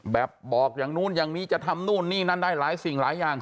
บอกอย่างนู้นอย่างนี้จะทำนู่นนี่นั่นได้หลายสิ่งหลายอย่าง